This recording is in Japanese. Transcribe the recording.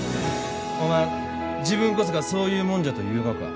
おまん自分こそがそういう者じゃと言うがか？